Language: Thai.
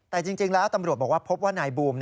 แต่จริงแล้วตำรวจบอกว่าพบว่านายบูม